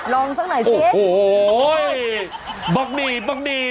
ลมสักหน่อยที่โอ้โฮิบักดีบักดี